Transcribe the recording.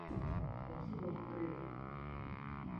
او څه به وکړې؟